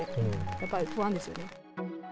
やっぱり不安ですよね。